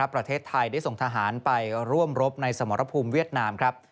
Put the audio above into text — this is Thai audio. ประเทศไทยได้ส่งทหารไปร่วมรบในสมรภูมิเวียดนามครับ